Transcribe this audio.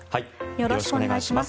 よろしくお願いします。